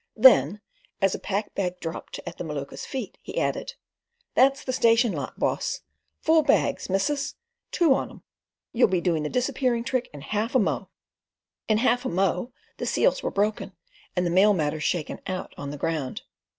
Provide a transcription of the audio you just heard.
Then, as a pack bag dropped at the Maluka's feet, he added: "That's the station lot, boss. Full bags, missus! Two on 'em. You'll be doing the disappearing trick in half a mo'." In "half a mo'" the seals were broken, and the mail matter shaken out on the ground.